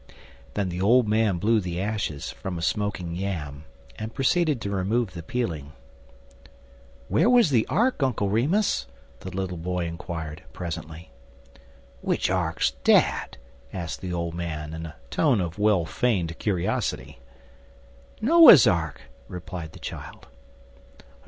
Then the old man blew the ashes from a smoking yam, and proceeded to remove the peeling. "Where was the ark, Uncle Remus?" the little boy inquired, presently. "W'ich ark's dat?" asked the old man, in a tone of well feigned curiosity. "Noah's ark," replied the child.